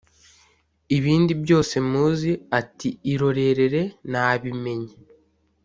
ibindi byose muzi. ati: “irorere nabimenye